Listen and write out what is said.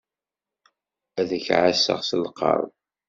Ad k-ɛasseɣ s lqerb.